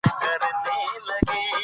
په پوهنتونونو کې د څېړنې کارونه وکړئ.